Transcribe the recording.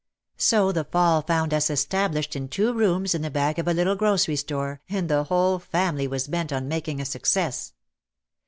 So the fall found us established in two rooms in the back of a little grocery store and the whole family was bent on making a success.